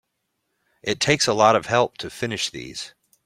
It takes a lot of help to finish these.